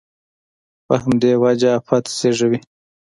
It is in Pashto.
په همدې وجه افت زېږوي.